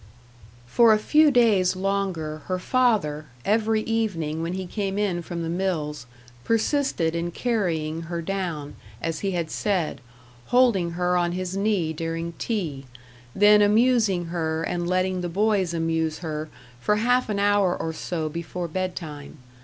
For a few days longer, her father, every evening when he came in from the mills, persisted in carrying her down, as he had said, holding her on his knee during tea, then amusing her and letting the boys amuse her for half an hour or so before bed time.